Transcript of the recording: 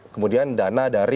kemudian dana dari